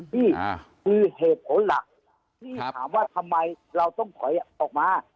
นี่คือเหตุผลหลักที่ถามว่าทำไมเราต้องถอยออกมา